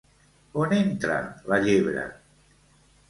On entra la llebre?